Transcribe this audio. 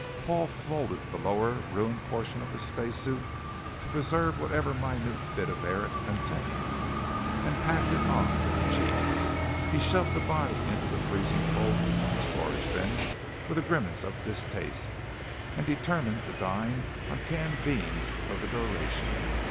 Paul folded the lower, ruined portion of the space suit to preserve whatever minute bit of air it contained, and packed it onto the jeep. He shoved the body into the freezing cold of the storage bin with a grimace of distaste and determined to dine on canned beans for the duration.